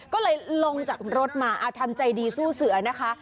ก็เลยลงจากรถมาทำใจดีสู้เสือนะคะ